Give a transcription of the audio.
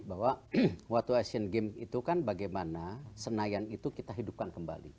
bahwa what to action game itu kan bagaimana senayan itu kita hidupkan kembali